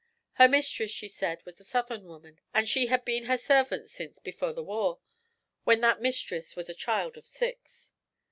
Her mistress, she said, was a southern woman, and she had been her servant since 'befo' the war,' when that mistress was a child of six.